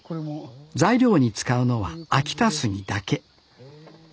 材料に使うのは秋田杉だけ。